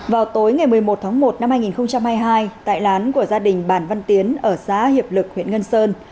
vào tối ngày một mươi một tháng một năm hai nghìn hai mươi hai tại lán của gia đình bản văn tiến ở xã hiệp lực huyện ngân sơn